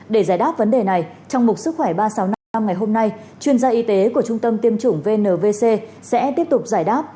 để giải đáp vấn đề này trong mục sức khỏe ba nghìn sáu trăm năm mươi năm ngày hôm nay chuyên gia y tế của trung tâm tiêm chủng vnvc sẽ tiếp tục giải đáp